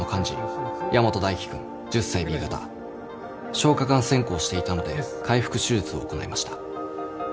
消化管穿孔していたので開腹手術を行いました。